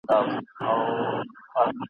اورېدلي مي دي چي انسان !.